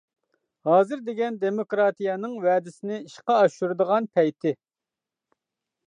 ھازىر دېگەن دېموكراتىيەنىڭ ۋەدىسىنى ئىشقا ئاشۇرىدىغان پەيتى.